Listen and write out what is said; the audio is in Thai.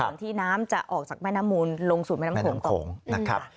หลังที่น้ำจะออกจากแม่น้ำมูลลงสู่แม่น้ำโขง